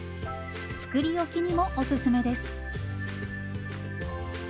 作り置きにもおすすめです。